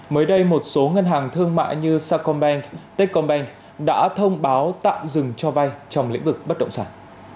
mới đây một số ngân hàng thương mại như sacombank techcombank đã thông báo tạm dừng cho vay trong lĩnh vực bất động sản